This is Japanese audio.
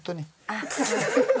あっ。